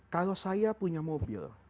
kalau saya punya mobil